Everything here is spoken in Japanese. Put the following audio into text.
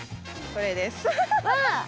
これです。